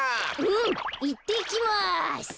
うんいってきます！